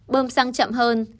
bơm xăng chậm hơn